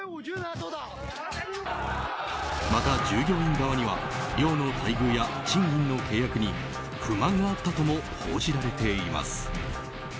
また、従業員側には寮の待遇や賃金の契約に不満があったとも報じられています。